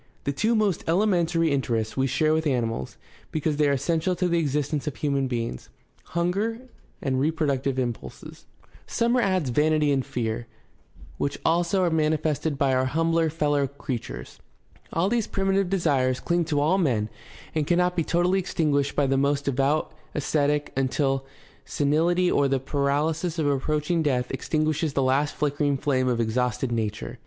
The two most elementary inter ests we share with animals, because they are essential to the existence of human beings — ^hunger and reproductive impulses. 7o6 GUIDE TO STUDY OF CHRISTIAN RELIGION Sumner adds vanity and fear, which also are manifested by our humbler fellow creatures. All these primitive desires cling to all men and cannot be totally extinguished by the most devout ascetic until senihty or the paralysis of approach ing death extinguishes the last flickering flame of exhausted nature.